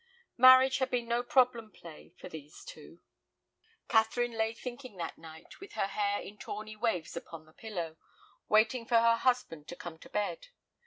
Marriage had been no problem play for these two. Catherine lay thinking that night, with her hair in tawny waves upon the pillow, waiting for her husband to come to bed.